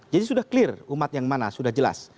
jadi sudah clear umat yang mana sudah jelas